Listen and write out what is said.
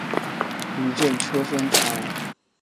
一阵车声传来